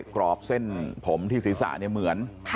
กรอบเส้นผมที่ศีรษะเหมือน